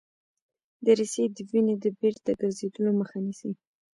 دریڅې د وینې د بیرته ګرځیدلو مخه نیسي.